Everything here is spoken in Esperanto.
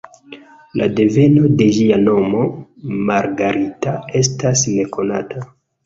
La deveno de ĝia nomo, ""Margarita"", estas nekonata.